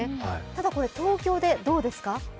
ただこれ、東京で、どうですか？